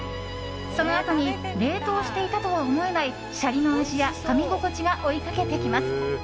そのあとに冷凍していたとは思えないシャリの味やかみ心地が追いかけてきます。